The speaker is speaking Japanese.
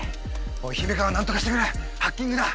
おい姫川何とかしてくれハッキングだ。